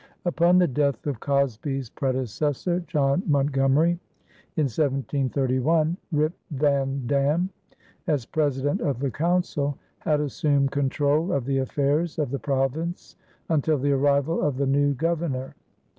Upon the death of Cosby's predecessor, John Montgomerie, in 1731, Rip van Dam, as president of the Council, had assumed control of the affairs of the province until the arrival of the new Governor.